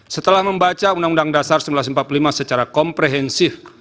setelah membaca undang undang dasar seribu sembilan ratus empat puluh lima secara komprehensif